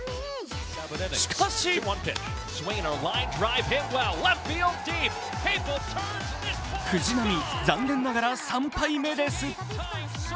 しかし藤浪、残念ながら３敗目です。